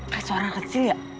kayak suara kecil ya